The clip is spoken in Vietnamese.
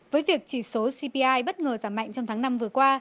với việc chỉ số cpi bất ngờ giảm mạnh trong tháng năm vừa qua